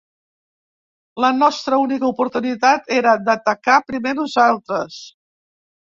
La nostra única oportunitat era d'atacar primer nosaltres.